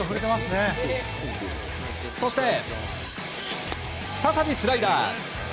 そして、再びスライダー。